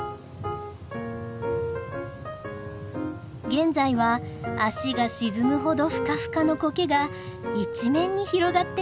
現在は足が沈むほどふかふかのコケが一面に広がっています。